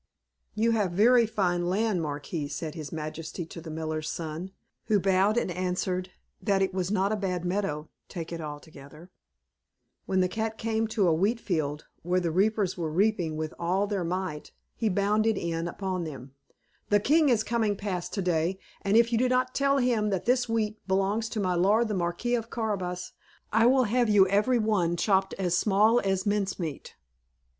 "You have very fine land, Marquis," said his majesty to the miller's son; who bowed, and answered "that it was not a bad meadow, take it altogether." Then the cat came to a wheat field, where the reapers were reaping with all their might. He bounded in upon them: "The king is coming past to day, and if you do not tell him that this wheat belongs to my lord the Marquis of Carabas, I will have you every one chopped as small as mince meat."